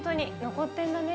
残ってんだよね。